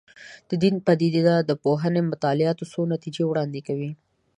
د دین د پدیده پوهنې مطالعات څو نتیجې وړاندې کوي.